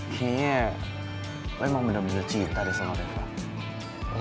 kayaknya lo emang bener bener cinta deh sama reva